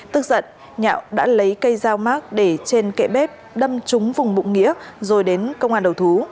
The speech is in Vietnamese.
tức giận nhạo đã lấy cây dao mát để trên kệ bếp đâm trúng vùng bụng nghĩa rồi đến công an đầu thú